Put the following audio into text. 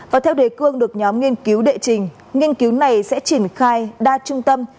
và theo đề cương được nhóm nghiên cứu đệ trình nghiên cứu này sẽ triển khai đa trung tâm